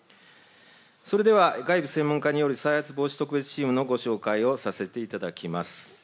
それでは、外部専門家による再発防止特別チームのご紹介をさせていただきます。